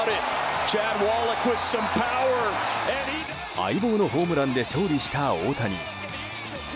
相棒のホームランで勝利した大谷。